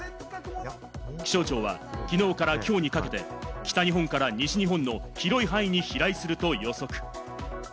気象庁はきのうからきょうにかけ北日本から西日本の広い範囲に飛来すると予測。